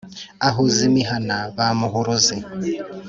ahuza imihana ba Muhuruzi.